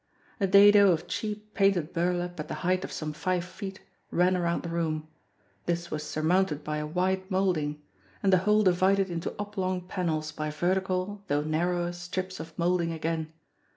A dado of cheap, painted burlap at the height of some five feet ran around the room ; this was surmounted by a wide mould ing, and the whole divided into oblong panels by vertical, though narrower, strips of moulding again.